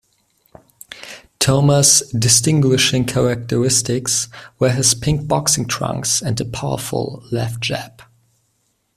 Thomas' distinguishing characteristics were his pink boxing trunks and a powerful left jab.